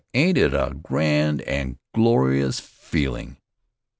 Ain't it a GRAND AND GLORYUS FEELING?"